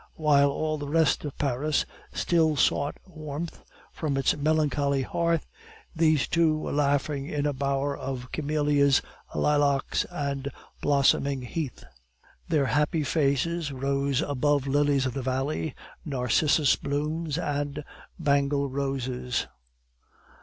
While all the rest of Paris still sought warmth from its melancholy hearth, these two were laughing in a bower of camellias, lilacs, and blossoming heath. Their happy faces rose above lilies of the valley, narcissus blooms, and Bengal roses.